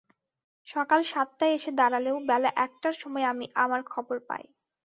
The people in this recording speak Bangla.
সকাল সাতটায় এসে দাঁড়ালেও বেলা একটার সময় আমি আমার খাবার পাই।